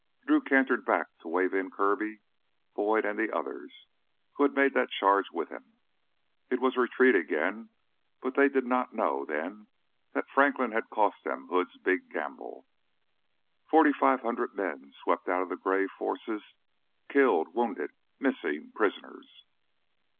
Drew cantered back to wave in Kirby, Boyd, and the others who had made that charge with him. It was retreat again, but they did not know then that Franklin had cost them Hood's big gamble. Forty five hundred men swept out of the gray forces killed, wounded, missing, prisoners.